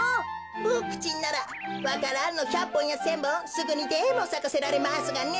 ボクちんならわか蘭の１００ぽんや１，０００ぼんすぐにでもさかせられますがね。